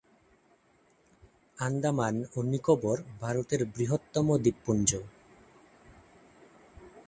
আন্দামান ও নিকোবর ভারতের বৃহত্তম দ্বীপপুঞ্জ।